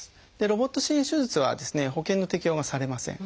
ロボット支援手術は保険の適用がされません。